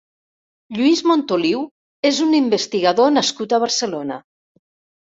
Lluis Montoliu és un investigador nascut a Barcelona.